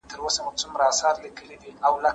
که په تعلیم کې پرمختګ وي، نو ټولنه به وده وکړي.